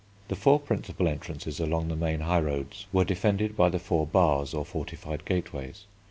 The four principal entrances along the main high roads were defended by the four Bars, or fortified gateways.